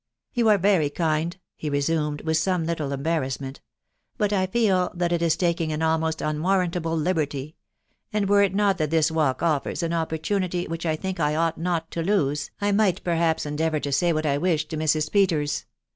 " You are very kind," he resumed, with some little embar rassment ; "but I feel that it is taking an almost unwarrantable liberty ; and were it not that this walk offers an opportunity which I think I ought not to lose, I might perhaps endeavour to say what I wish to Mrs. Peters